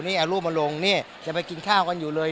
เอารูปมาลงจะไปกินข้ากันอยู่เลย